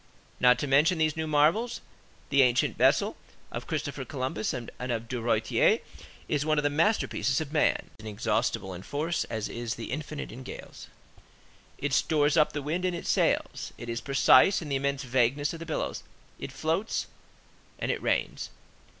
Not to mention these new marvels, the ancient vessel of Christopher Columbus and of De Ruyter is one of the masterpieces of man. It is as inexhaustible in force as is the Infinite in gales; it stores up the wind in its sails, it is precise in the immense vagueness of the billows, it floats, and it reigns.